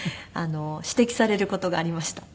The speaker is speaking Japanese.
指摘される事がありました。